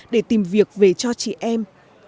để tìm việc về cho chị em